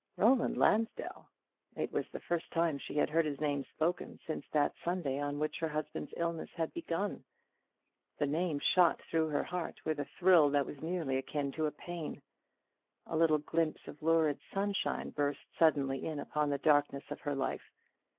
Roland Lansdell! It was the first time she had heard his name spoken since that Sunday on which her husband's illness had begun. The name shot through her heart with a thrill that was nearly akin to pain. A little glimpse of lurid sunshine burst suddenly in upon the darkness of her life.